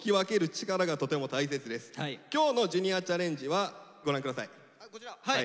今日の「ジュニアチャレンジ」はご覧下さい。